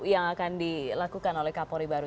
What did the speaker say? yang akan dilakukan oleh kapolri baru